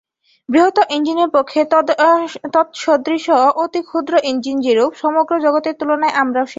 বৃহৎ ইঞ্জিনের পক্ষে তৎসদৃশ অতি ক্ষুদ্র ইঞ্জিন যেরূপ, সমগ্র জগতের তুলনায় আমরাও সেইরূপ।